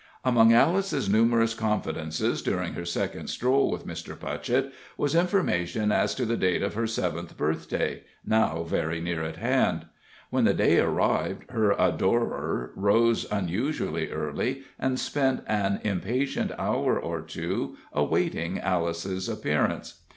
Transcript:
Among Alice's numerous confidences, during her second stroll with Mr. Putchett, was information as to the date of her seventh birthday, now very near at hand. When the day arrived, her adorer arose unusually early, and spent an impatient hour or two awaiting Alice's appearance.